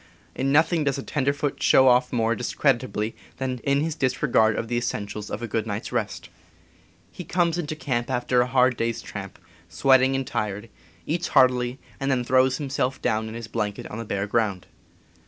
In nothing does a ten ^, p . derfoot show off more discreditably than J ., in his disregard of the essentials of a Pi 6C6SSltV . good night's rest. He comes into camp after a hard day's tramp, sweating and tired, eats heartily, and then throws himself down in his blanket on the bare ground.